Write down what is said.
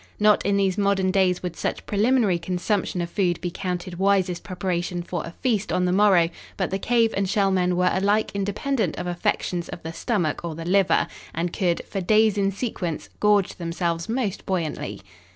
Not in these modern days would such preliminary consumption of food be counted wisest preparation for a feast on the morrow, but the cave and Shell men were alike independent of affections of the stomach or the liver, and could, for days in sequence, gorge themselves most buoyantly.